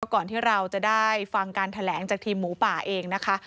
ก่อนที่เราจะได้ฟังการแถลงจากทีมหมูป่าเองนะคะ